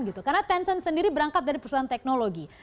karena tencent sendiri berangkat dari perusahaan teknologi